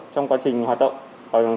trong quá trình hoạt động